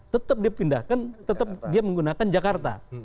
tetap dipindahkan tetap dia menggunakan jakarta